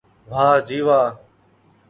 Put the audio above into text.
واہ جی واہ